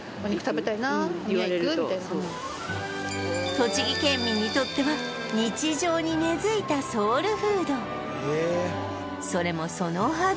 栃木県民にとっては日常に根付いたソウルフードそれもそのはず